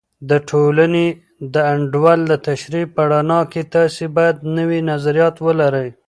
د ټولنې د انډول د تشریح په رڼا کې، تاسې باید نوي نظریات ولرئ.